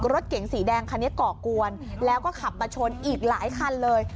รถเก๋งสีแดงคันนี้ก่อกวนแล้วก็ขับมาชนอีกหลายคันเลย